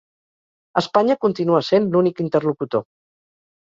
Espanya continua sent l’únic interlocutor.